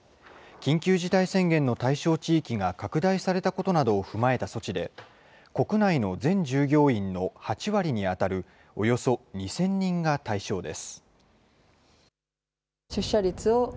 緊急事態宣言の対象地域が拡大されたことなどを踏まえた措置で、国内の全従業員の８割に当たる、およそ２０００人が対象です。